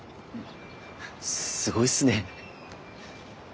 すごいっすね。